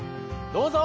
どうぞ。